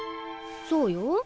そうよ。